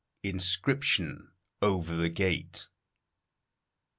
INSCRIPTION OVER THE GATE.